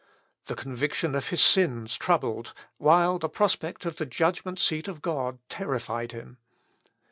The conviction of his sins troubled, while the prospect of the judgment seat of God terrified him.